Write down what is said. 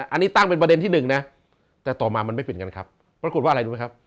อันนี้ตั้งเป็นประเด็นที่หนึ่งนะแต่ต่อมามันไม่เป็นกันครับปรากฏว่าอะไรรู้ไหมครับ